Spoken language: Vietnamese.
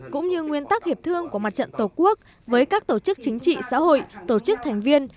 cũng như nguyên tắc hiệp thương của mặt trận tổ quốc với các tổ chức chính trị xã hội tổ chức thành viên